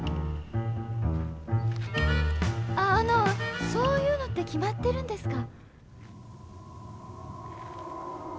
ああのそういうのって決まってるんですか？